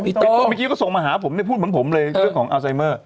เมื่อกี้ก็ส่งมาหาผมเนี่ยพูดเหมือนผมเลยเรื่องของอัลไซเมอร์